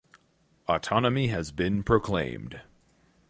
Autonomy has been proclaimed.